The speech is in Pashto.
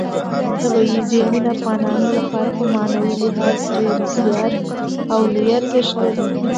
طبیعي زیرمې د افغانانو لپاره په معنوي لحاظ ډېر زیات او لوی ارزښت لري.